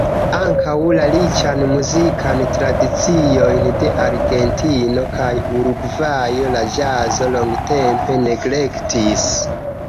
Ankaŭ la riĉan muzikan tradiciojn de Argentino kaj Urugvajo la ĵazo longtempe neglektis.